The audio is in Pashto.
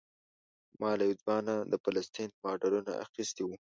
ما له یو ځوان نه د فلسطین ماډلونه اخیستي وو.